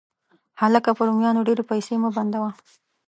هلکه، په رومیانو ډېرې پیسې مه بندوه.